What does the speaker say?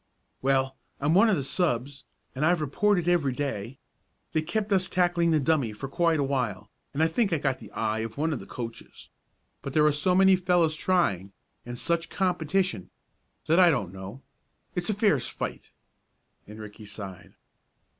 "Well, I'm one of the subs, and I've reported every day. They kept us tackling the dummy for quite a while, and I think I got the eye of one of the coaches. But there are so many fellows trying, and such competition, that I don't know it's a fierce fight," and Ricky sighed.